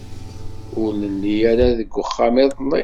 Ur nelli ara deg uxxam iḍelli.